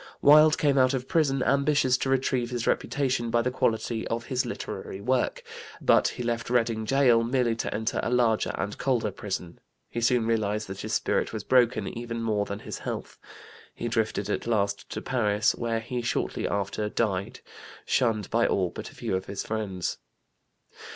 Wilde came out of prison ambitious to retrieve his reputation by the quality of his literary work. But he left Reading gaol merely to enter a larger and colder prison. He soon realized that his spirit was broken even more than his health. He drifted at last to Paris, where he shortly after died, shunned by all but a few of his friends.